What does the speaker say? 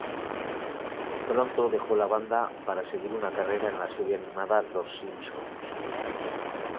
Pronto dejó la banda para seguir una carrera en la serie animada "Los Simpsons".